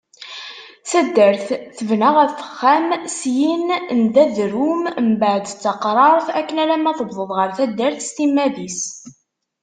Taddart, tebna ɣef uxxam, syin n d adrum mbeɛd d taqrart, akken alamma tewwḍeḍ ɣer taddart s timmad-is.